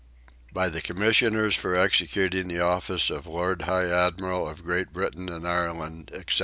BY THE COMMISSIONERS FOR EXECUTING THE OFFICE OF LORD HIGH ADMIRAL OF GREAT BRITAIN AND IRELAND, ETC.